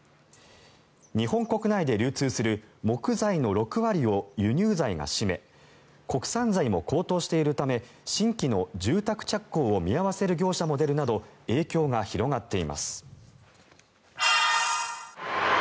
日本国内で流通する木材の６割を輸入材が占め国産材も高騰しているため新規の住宅着工を見合わせる業者も出るなど影響が広がっています。